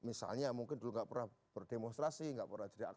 misalnya mungkin dulu tidak pernah berdemonstrasi tidak pernah jadi aktivis